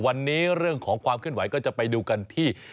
วันนี้เรื่องของความเคลื่อนไหวก็จะไปดูกันที่